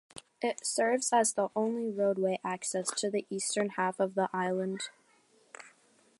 It serves as the only roadway access to the eastern half of the island.